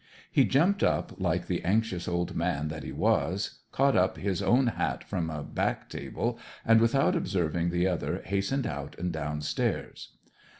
He jumped up like the anxious old man that he was, caught up his own hat from a back table, and without observing the other hastened out and downstairs.